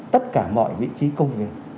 tất cả mọi vị trí công việc